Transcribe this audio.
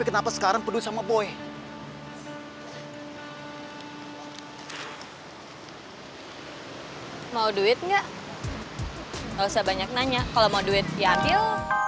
gak usah banyak nanya kalo mau duit ya ambil